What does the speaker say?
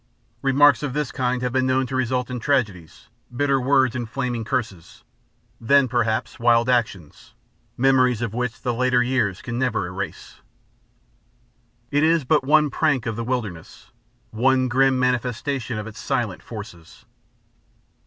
Remarks of this kind have been known to result in tragedies, bitter words and flaming curses then, perhaps, wild actions, memories of which the later years can never erase. It is but one prank of the wilderness, one grim manifestation of its silent forces.